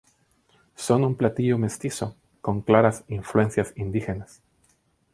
Son un platillo mestizo, con claras influencias indígenas.